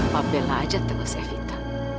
papa bela aja terus evita